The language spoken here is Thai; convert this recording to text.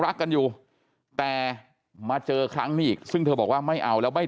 รักกันอยู่แต่มาเจอครั้งนี้อีกซึ่งเธอบอกว่าไม่เอาแล้วไม่